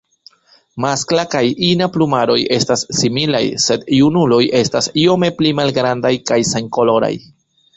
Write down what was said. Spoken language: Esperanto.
Maskla kaj ina plumaroj estas similaj, sed junuloj estas iome pli malgrandaj kaj senkoloraj.